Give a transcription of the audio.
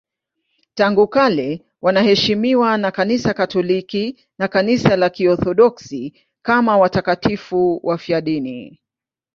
Tangu kale wanaheshimiwa na Kanisa Katoliki na Kanisa la Kiorthodoksi kama watakatifu wafiadini.